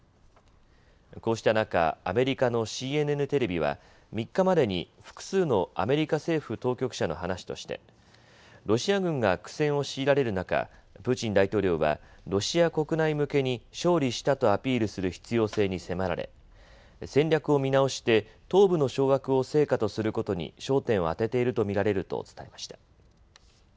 こうした中、アメリカのＣＮＮテレビは３日までに複数のアメリカ政府当局者の話としてロシア軍が苦戦を強いられる中、プーチン大統領はロシア国内向けに勝利したとアピールする必要性に迫られ戦略を見直して東部の掌握を成果とすることに焦点を当てていると見られると伝えました。